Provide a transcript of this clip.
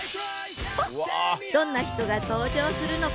どんな人が登場するのか？